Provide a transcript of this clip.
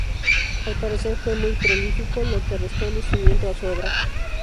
Al parecer fue muy prolífico, lo que restó lucimiento a su obra.